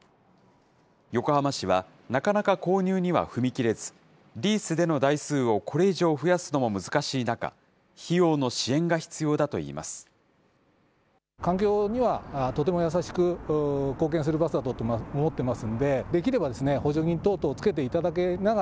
横浜市は、なかなか購入には踏み切れず、リースでの台数をこれ以上増やすのも難しい中、費用の支援が必要だといいます。